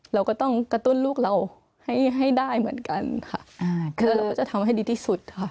เราก็ต้องกระตุ้นลูกเราให้ให้ได้เหมือนกันค่ะคือเราก็จะทำให้ดีที่สุดค่ะ